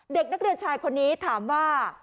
เด็กนักเรียนชายคนนี้ถามว่า